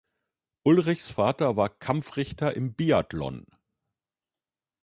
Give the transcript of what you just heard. Ullrichs Vater war Kampfrichter im Biathlon.